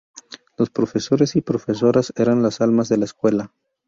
Los profesores y profesoras eran las almas de la escuela.